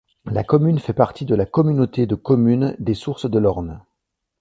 La commune fait partie de la communauté de communes des Sources de l'Orne.